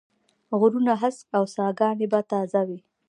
غرونه هسک و او ساګاني به تازه وې